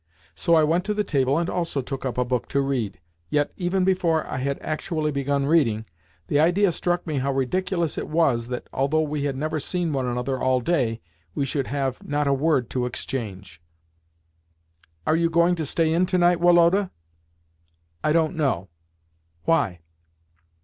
So I went to the table and also took up a book to read. Yet, even before I had actually begun reading, the idea struck me how ridiculous it was that, although we had never seen one another all day, we should have not a word to exchange. "Are you going to stay in to night, Woloda?" "I don't know. Why?"